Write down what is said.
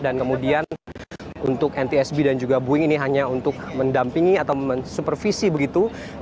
dan kemudian untuk ntsb dan juga boeing ini hanya untuk mendampingi atau mensupervisi begitu